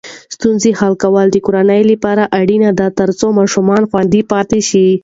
ستونزې حل کول د کورنۍ لپاره اړین دي ترڅو ماشومان خوندي پاتې شي.